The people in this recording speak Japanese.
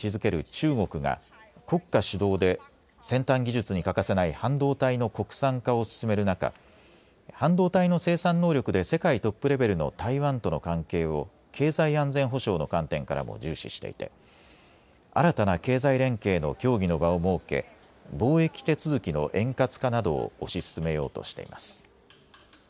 中国が国家主導で先端技術に欠かせない半導体の国産化を進める中、半導体の生産能力で世界トップレベルの台湾との関係を経済安全保障の観点からも重視していて新たな経済連携の協議の場を設け貿易手続きの円滑化などを推し進めようとしています。